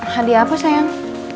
hadiah apa sayang